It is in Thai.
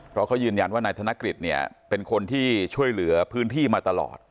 เพราะเขายืนยันว่านายธนกฤษเนี่ยเป็นคนที่ช่วยเหลือพื้นที่มาตลอด